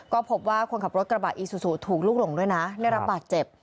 ก็พบว่าคนขับรถกระบะอีซูซูถูกลูกหลงด้วยนะได้รับบาดเจ็บ